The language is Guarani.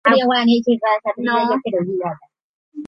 Taha’e’ỹ ombohekoñañava’erã